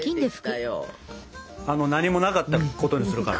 何もなかったことにするから。